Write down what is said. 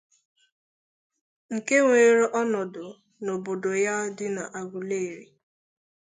nke weere ọnọdụ n'obodo ya dị n'Agụleri